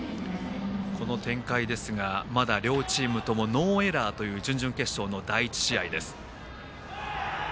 この展開ですがまだ両チームともノーエラーという準々決勝の第１試合です。